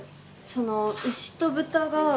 その牛と豚が。